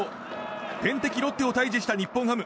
天敵ロッテを退治した日本ハム。